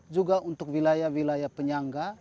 juga untuk wilayah wilayah penyangga